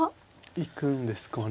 いくんですかね。